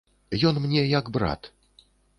Ён мне як брат.